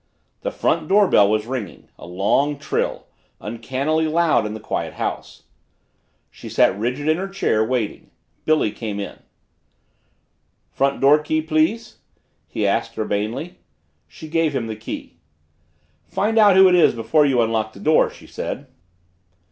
The front door bell was ringing a long trill, uncannily loud in the quiet house. She sat rigid in her chair, waiting. Billy came in. "Front door key, please?" he asked urbanely. She gave him the key. "Find out who it is before you unlock the door," she said.